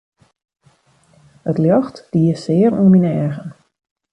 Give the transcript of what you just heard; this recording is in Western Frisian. It ljocht die sear oan myn eagen.